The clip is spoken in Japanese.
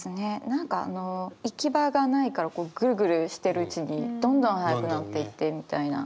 何かあの行き場がないからグルグルしてるうちにどんどん速くなっていってみたいな。